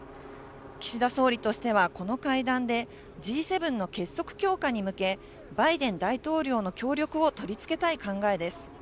岸田総理としては、この会談で、Ｇ７の結束強化に向け、バイデン大統領の協力を取り付けたい考えです。